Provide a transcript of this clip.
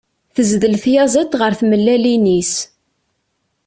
Tezdel tyaziḍt ɣef tmellalin-is.